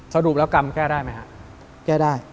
สรุปแล้วกรรมแก้ได้ไหมครับ